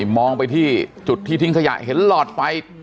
มองไปที่จุดที่ทิ้งขยะเห็นหลอดไฟ